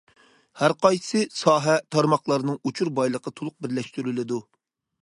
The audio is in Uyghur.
ھەرقايسى ساھە، تارماقلارنىڭ ئۇچۇر بايلىقى تولۇق بىرلەشتۈرۈلىدۇ.